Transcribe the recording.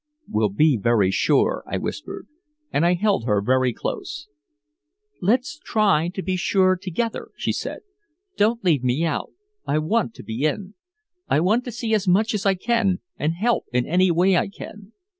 "We'll be very sure," I whispered, and I held her very close. "Let's try to be sure together," she said. "Don't leave me out I want to be in. I want to see as much as I can and help in any way I can.